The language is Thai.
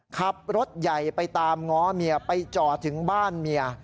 ขับรถใหญ่ไปตามง้อเมียไปจอดถึงบ้านเมีย